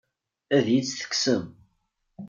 Ad iyi-tt-tekksem?